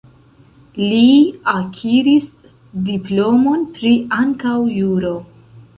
Li akiris diplomon pri ankaŭ juro.